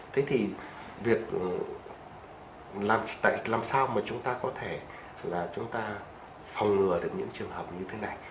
thế thì việc làm sao mà chúng ta có thể là chúng ta phòng ngừa được những trường hợp như thế này